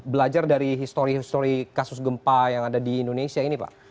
belajar dari histori histori kasus gempa yang ada di indonesia ini pak